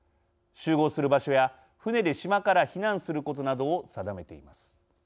集合する場所や船で島から避難することなどを定めています。